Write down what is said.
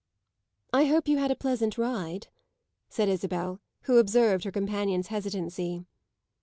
"I hope you had a pleasant ride," said Isabel, who observed her companion's hesitancy.